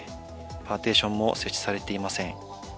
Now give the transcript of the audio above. パーティションも設置されていません。